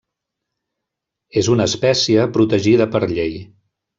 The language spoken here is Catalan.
És una espècia protegida per llei.